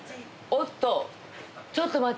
おっと。